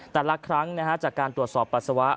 แต่ละครั้งจากการตรวจสอบปัสสาวะ